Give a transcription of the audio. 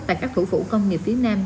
tại các thủ phủ công nghiệp phía nam